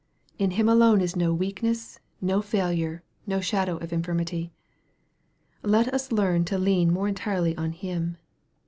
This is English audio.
In Him alone is no weakness, no failure, n;> shadow of infirmity. Let us learn to lean more entirely on Him.